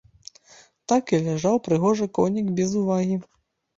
Так і ляжаў прыгожы конік без увагі.